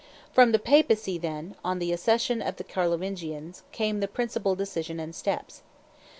From the Papacy, then, on the accession of the Carlovingians, came the principal decisions and steps.